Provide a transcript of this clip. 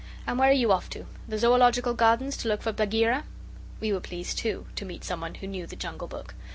And where are you off to the Zoological Gardens to look for Bagheera?' We were pleased, too, to meet some one who knew the Jungle Book.